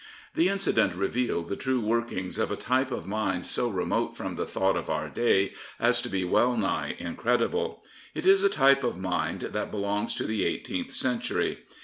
The incident revealed the true workings of a type of mind so remote from the thought of our day as to be well nigh incredible. It is a type of mind that be longs to the eighteenth century.